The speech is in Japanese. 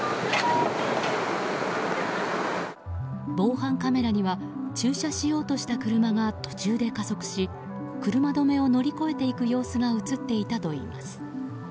防犯カメラには駐車しようとした車が途中で加速し車止めを乗り越えていく様子が映っていたといいます。